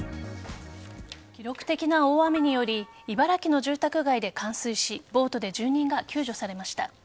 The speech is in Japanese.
記録的な大雨により茨城の住宅街で冠水しボートで住人が救助されました。